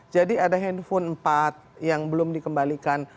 jadi ada handphone empat yang belum dikembalikan